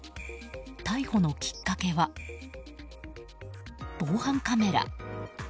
逮捕のきっかけは防犯カメラ。